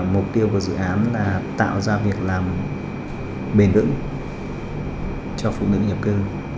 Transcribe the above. mục tiêu của dự án là tạo ra việc làm bền lưỡng cho phụ nữ nghiệp cư